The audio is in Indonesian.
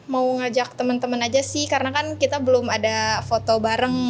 mau ngajak teman teman aja sih karena kan kita belum ada foto bareng